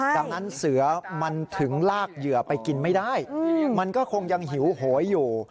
ดังนั้นเสือมันถึงลากเหยื่อไปกินไม่ได้มันก็คงยังหิวโหยอยู่